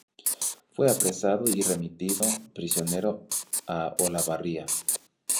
Fue apresado y remitido prisionero a Olavarría.